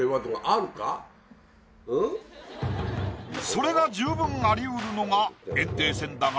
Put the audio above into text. それが十分ありうるのが炎帝戦だが。